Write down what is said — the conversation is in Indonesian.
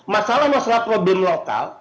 masalah masalah problem lokal